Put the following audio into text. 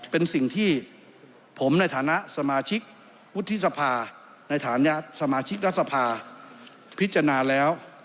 เป็นสิ่งที่ผมในฐานะสมาชิกวุฒิสภาในฐานะสมาชิกรัฐสภาพิจารณาแล้ว